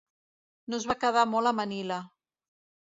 No es va quedar molt a Manila.